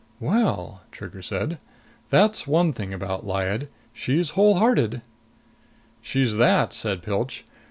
"Well," Trigger said, "that's one thing about Lyad she's wholehearted!" "She's that," said Pilch.